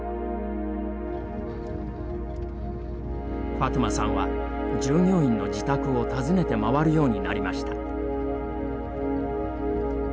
ファトゥマさんは従業員の自宅を訪ねて回るようになりました。